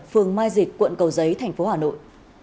phường mai dịch quận cầu giấy tp hà nội